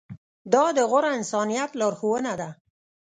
دا د غوره انسانیت لارښوونه ده.